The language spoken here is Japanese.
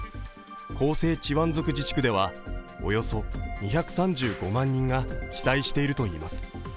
広西チワン族自治区ではおよそ２３５万人が被災しているといいます。